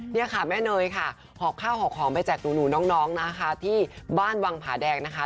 นี่ค่ะแม่เนยค่ะหอบข้าวหอบของไปแจกหนูน้องนะคะที่บ้านวังผาแดงนะคะ